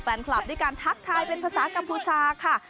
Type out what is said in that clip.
ด้วยการทักทายเป็นภาษากัมพูชาค่ะ